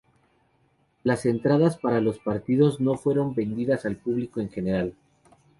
Las entradas para los partidos no fueron vendidas al público en general.